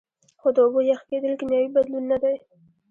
خو د اوبو یخ کیدل کیمیاوي بدلون نه دی